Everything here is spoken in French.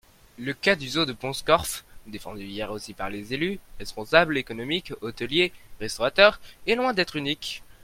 Le cas du zoo de Pont-Scorff, défendu hier aussi par des élus, responsables économiques, hôteliers, restaurateurs, est loin d'être unique.